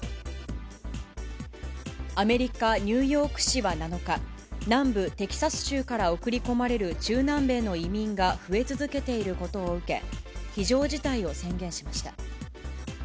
アメリカ・ニューヨーク市は７日、南部テキサス州から送り込まれる中南米の移民が増え続けていることを受け、非常事態を宣言しました。